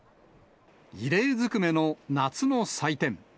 異例ずくめの夏の祭典。